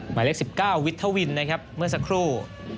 หมายเลข๑๙วิทวินนะครับเมื่อสักครู่